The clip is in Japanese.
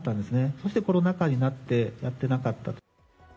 そしてコロナ禍になって、やっていなかったと。